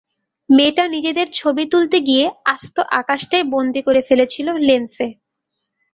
মেয়েটা নিজেদের ছবি তুলতে গিয়ে আস্ত আকাশটাই বন্দী করে ফেলেছিল লেন্সে।